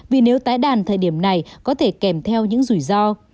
vì nếu tái đàn thời điểm này có thể kèm theo những rủi ro